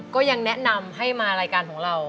ก็ยังแนะนำให้มารายการของเรา